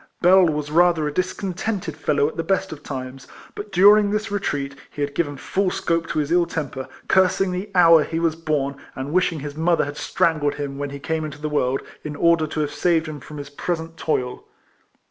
Bell was rather a discontented fellow at the best of times ; but during this retreat he had given full scope to his ill temper, cursing the hour he w^as born, and wishing his mother had strangled him when he came into the world, in order to have saved him from his present toil.